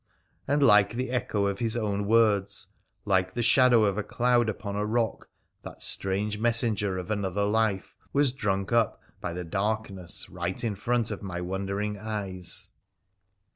' And like the echo of his own words, like the shadow of a cloud upon a rock, that strange messenger of another life was drunk up by the darkness right in front of my wondering eyes.